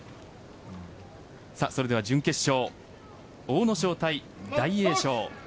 それでは準決勝阿武咲対大栄翔。